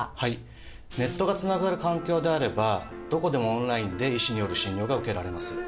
ネットがつながる環境であればどこでもオンラインで医師による診療が受けられます。